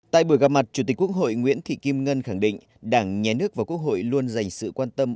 tại buổi gặp mặt chủ tịch quốc hội nguyễn thị kim ngân khẳng định đảng nhà nước và quốc hội luôn dành sự quan tâm